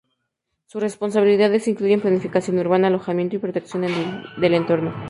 Sus responsabilidades incluyen planificación urbana, alojamiento, y protección del entorno.